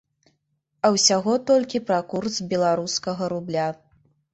А ўсяго толькі пра курс беларускага рубля.